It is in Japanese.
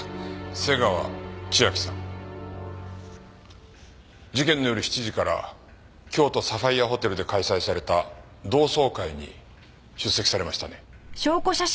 瀬川千明さん事件の夜７時から京都サファイアホテルで開催された同窓会に出席されましたね？